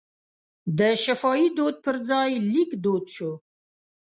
د شفاهي دود پر ځای لیک دود شو.